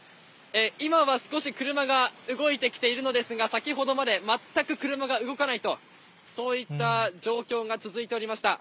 今は少し車が動いてきているのですが、先ほどまで全く車が動かないと、そういった状況が続いておりました。